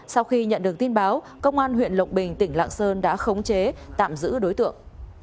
sau khi nhận được tin báo công an huyện lộc bình tỉnh lạng sơn đã khống chế tạm giữ đối tượng